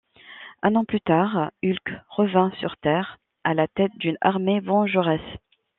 Un an plus tard, Hulk revint sur Terre à la tête d'une armée vengeresse.